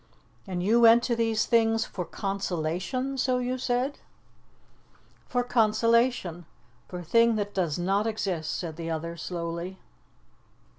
"And you went to these things for consolation so you said?" "For consolation. For a thing that does not exist," said the other slowly.